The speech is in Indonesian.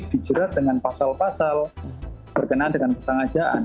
dijelat dengan pasal pasal berkenaan dengan kesangajaan